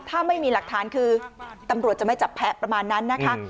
ถ้าไม่มีหลักฐานคือตำรวจจะไม่จับแพ้ประมาณนั้นนะคะ